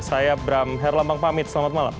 saya bram herlambang pamit selamat malam